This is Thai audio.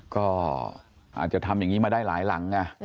ก็อาจจะทำอย่างนี้มาได้หลายหลังไง